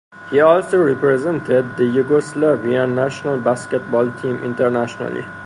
He also represented the Yugoslavian national basketball team internationally.